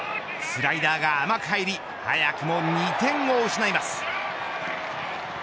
スライダーが甘く入り早くも２点を失います。